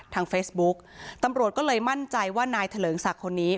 ทางเฟซบุ๊กตำรวจก็เลยมั่นใจว่านายเถลิงศักดิ์คนนี้